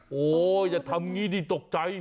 โอ้โหอย่าทำงี้ดิตกใจ